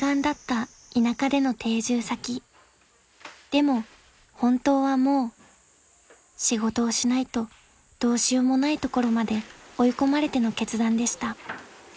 ［でも本当はもう仕事をしないとどうしようもないところまで追い込まれての決断でした］